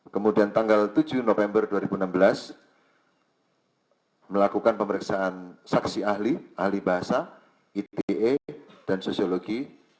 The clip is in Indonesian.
kemudian tanggal tujuh november dua ribu enam belas melakukan pemeriksaan saksi ahli ahli bahasa ite dan sosiologi